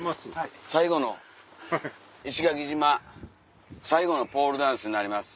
最後の石垣島最後のポールダンスになります。